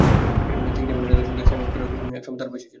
ঠিক যেমন অ্যাডেলের সঙ্গী সাইমন কোনেকি এমন সময় তাঁর পাশে ছিলেন।